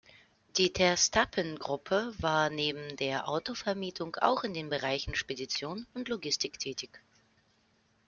Die Terstappen-Gruppe war neben der Autovermietung auch in den Bereichen Spedition und Logistik tätig.